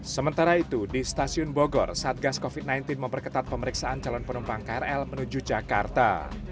sementara itu di stasiun bogor satgas covid sembilan belas memperketat pemeriksaan calon penumpang krl menuju jakarta